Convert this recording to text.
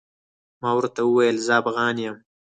ما ورته وويل زه افغان يم.